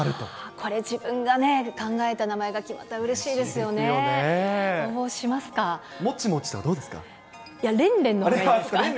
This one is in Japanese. これ自分が考えた名前が決まうれしいですよね。